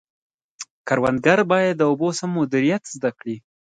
کروندګر باید د اوبو سم مدیریت زده کړي.